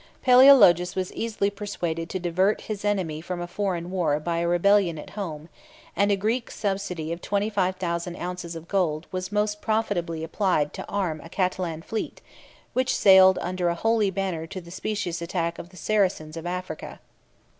Palæologus was easily persuaded to divert his enemy from a foreign war by a rebellion at home; and a Greek subsidy of twenty five thousand ounces of gold was most profitably applied to arm a Catalan fleet, which sailed under a holy banner to the specious attack of the Saracens of Africa.